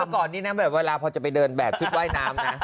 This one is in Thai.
ก่อนนี้นะแบบเวลาพอจะไปเดินแบบชุดว่ายน้ำนะ